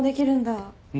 うん。